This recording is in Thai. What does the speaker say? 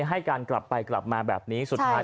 ให้การกลับไปกลับมาแบบนี้สุดท้าย